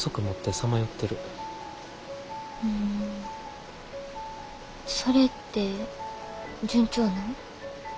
うんそれって順調なん？